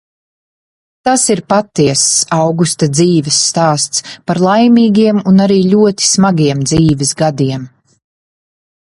Tas ir patiess Augusta dzīves stāsts par laimīgiem un arī ļoti smagiem dzīves gadiem.